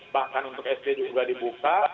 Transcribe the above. bahkan untuk sd juga dibuka